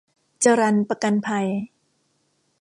จรัญประกันภัย